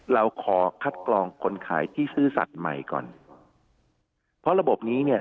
เราขอคัดกรองคนขายที่ซื่อสัตว์ใหม่ก่อนเพราะระบบนี้เนี่ย